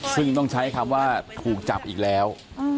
ซึ่งต้องใช้คำว่าถูกจับอีกแล้ว